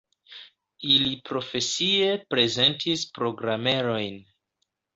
Ili profesie prezentis programerojn.